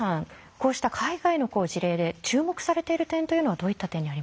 こうした海外の事例で注目されている点というのはどういった点にありますか？